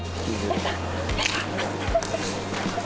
やった。